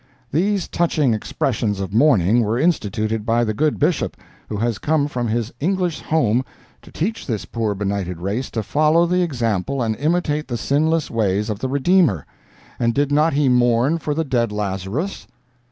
These touching expressions of mourning were instituted by the good Bishop, who has come from his English home to teach this poor benighted race to follow the example and imitate the sinless ways of the Redeemer, and did not he mourn for the dead Lazarus?